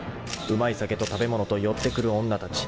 ［うまい酒と食べ物と寄ってくる女たち］